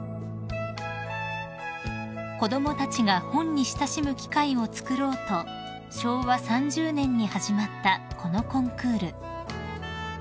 ［子供たちが本に親しむ機会をつくろうと昭和３０年に始まったこのコンクール］